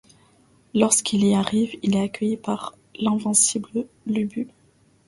Lorsqu'il y arrive, il est accueilli par l'invincible Lu Bu.